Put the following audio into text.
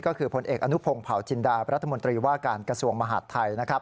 ก็คือผลเอกอนุพงศ์เผาจินดารัฐมนตรีว่าการกระทรวงมหาดไทยนะครับ